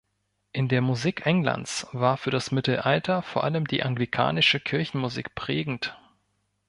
In der Musik Englands war für das Mittelalter vor allem die anglikanische Kirchenmusik prägend.